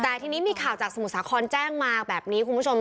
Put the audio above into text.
แต่ทีนี้มีข่าวจากสมุทรสาครแจ้งมาแบบนี้คุณผู้ชม